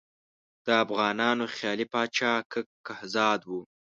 د افغانانو خیالي پاچا کک کهزاد وو.